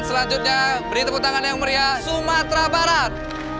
dan selanjutnya beri tepuk tangan yang meriah sumatera barat